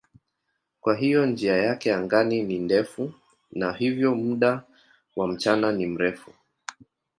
Kwa hiyo njia yake angani ni ndefu na hivyo muda wa mchana ni mrefu.